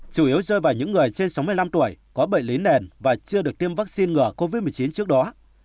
chủ yếu rơi vào những người trên sáu mươi năm tuổi có bệnh lý nền và chưa được tiêm vaccine ngừa covid một mươi chín trước đó